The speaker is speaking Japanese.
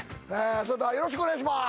それではよろしくお願いします。